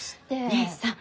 姉さん